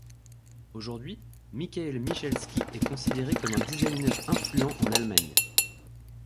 Aujourd'hui, Michael Michalsky est considéré comme l'un designer influent en Allemagne.